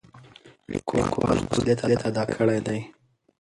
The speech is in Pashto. لیکوال خپل مسؤلیت ادا کړی دی.